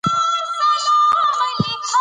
آن دا چي ځيني خو ګرسره پسخند په وهي.